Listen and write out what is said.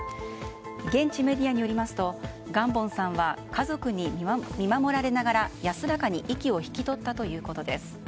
現地メディアによりますとガンボンさんは家族に見守られながら安らかに息を引き取ったということです。